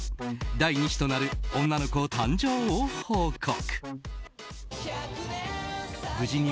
第２子となる女の子誕生を報告。